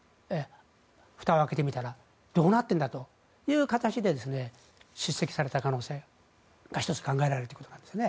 ふたを開けてみたらどうなっているんだという形で叱責された可能性が１つ考えられているんです。